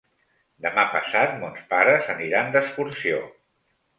Demà passat mons pares aniran d'excursió.